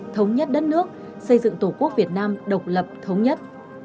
thống nhất đất nước xây dựng tổ quốc việt nam độc lập thống nhất